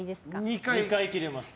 ２回切れます。